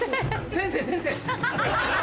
先生先生！